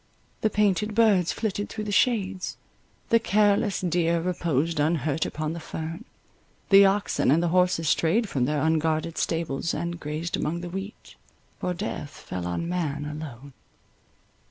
The painted birds flitted through the shades; the careless deer reposed unhurt upon the fern—the oxen and the horses strayed from their unguarded stables, and grazed among the wheat, for death fell on man alone.